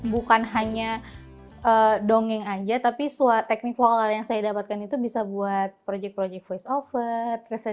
bukan hanya dongeng aja tapi teknik vokal yang saya dapatkan itu bisa buat proyek proyek voice over